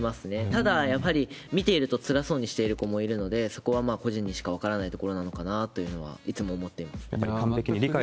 ただ、やはり見ていると、つらそうにしている子もいるので、そこは個人にしか分からないところなのかなというのはいつも思っています。